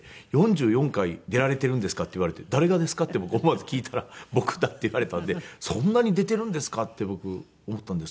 「４４回出られているんですか？」って言われて「誰がですか？」って僕思わず聞いたら僕だって言われたんでそんなに出ているんですかって僕思ったんですけれども。